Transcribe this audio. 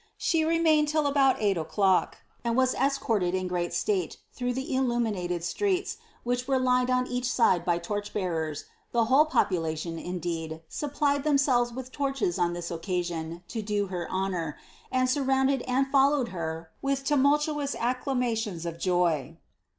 She remained till about eight o'clock, and was escorted in great state throogh the illuminated streets, which were lined on each side by torch beartra ; the whole population, indeed, supplied themselves with torches on ihii occasion lo do her honour, and surrounded and followed her will) Uiraullucus acclamations of joy.